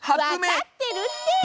わかってるって！